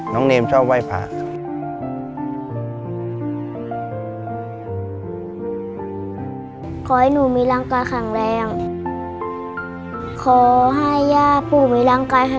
น้องเนมชอบไหว้พระ